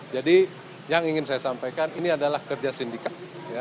jadi yang ingin saya sampaikan ini adalah kerja sindikat